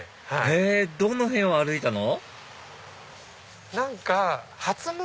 へぇどの辺を歩いたの？